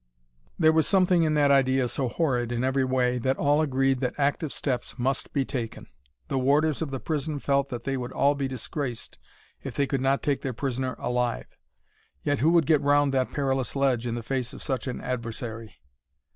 There was something in that idea so horrid in every way, that all agreed that active steps must be taken. The warders of the prison felt that they would all be disgraced if they could not take their prisoner alive. Yet who would get round that perilous ledge in the face of such an adversary?